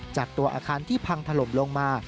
จากตัวอาคารที่พังถล่มลงมา